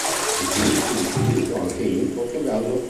Il film fu distribuito anche in Portogallo.